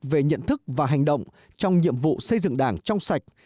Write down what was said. về nhận thức và hành động trong nhiệm vụ xây dựng đảng trong sạch